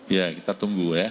ya kita tunggu ya